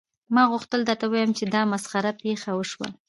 ما غوښتل درته ووایم چې دا مسخره پیښه وشوه